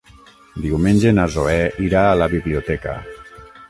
Diumenge na Zoè irà a la biblioteca.